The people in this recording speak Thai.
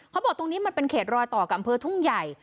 เขาบอกตรงนี้มันเป็นเขตรอยต่อกับอำเภอทุ่งใหญ่